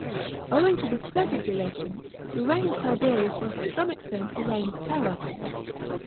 Owing to the spread of delation, the reign ol Tiherius was to some extent a reign ol terror.